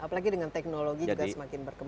apalagi dengan teknologi juga semakin berkembang